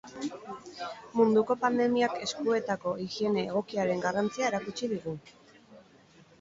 Munduko pandemiak eskuetako higiene egokiaren garrantzia erakutsi digu.